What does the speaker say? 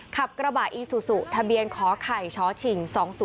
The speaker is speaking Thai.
ขับกระบาดอีซูซุทะเบียนขอไข่ช้อฉิง